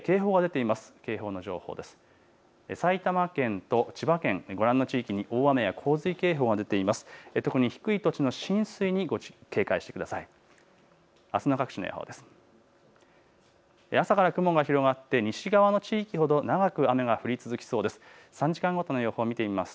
あすの各地の予報です。